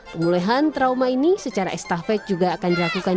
pemulihan trauma ini secara estafet juga akan dilakukan